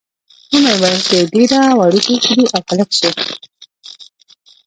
ومې ویل، که یې ډېره وړوکې کړي او هلک شي.